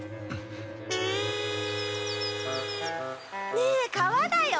ねえ川だよ！